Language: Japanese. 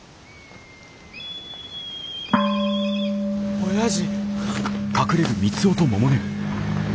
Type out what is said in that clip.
おやじ。